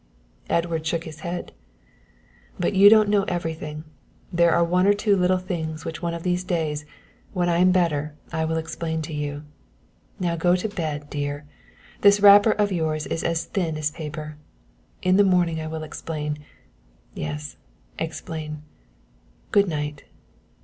Edward shook his head. "But you don't know everything, there are one or two little things which one of these days, when I am better, I will explain to you. Now go to bed, dear; this wrapper of yours is as thin as paper. In the morning I will explain yes, explain. Good night.